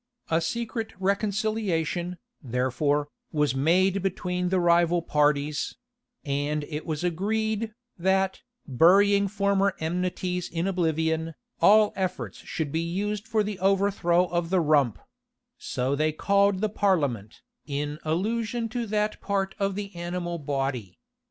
A secret reconciliation, therefore, was made between the rival parties; and it was agreed, that, burying former enmities in oblivion, all efforts should be used for the overthrow of the rump; so they called the parliament, in allusion to that part of the animal body.